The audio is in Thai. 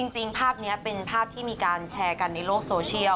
จริงภาพนี้เป็นภาพที่มีการแชร์กันในโลกโซเชียล